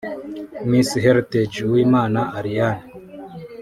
Miss Heritage Uwimana Ariane